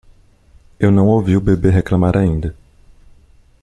Eu não ouvi o bebê reclamar ainda.